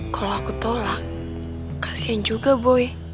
kalau aku tolak kasian juga boy